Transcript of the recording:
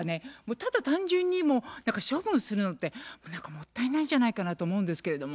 ただ単純にもう処分するのって何かもったいないんじゃないかなと思うんですけれども。